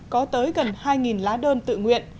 có tới gần hai lá đơn tự nguyện